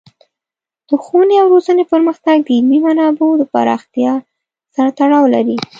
د ښوونې او روزنې پرمختګ د علمي منابعو د پراختیا سره تړاو لري.